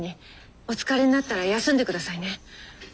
お疲れになったら休んでくださいね。